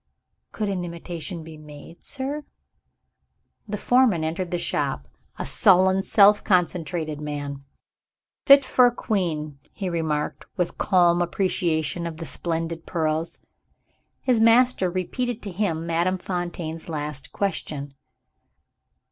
"Could an imitation be made, sir?" The foreman entered the shop a sullen, self concentrated man. "Fit for a queen," he remarked, with calm appreciation of the splendid pearls. His master repeated to him Madame Fontaine's last question.